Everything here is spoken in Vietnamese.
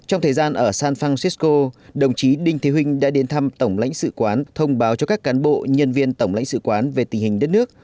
trong thời gian ở san francisco đồng chí đinh thế hinh đã đến thăm tổng lãnh sự quán thông báo cho các cán bộ nhân viên tổng lãnh sự quán về tình hình đất nước